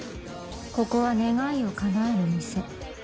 ここは願いをかなえる店。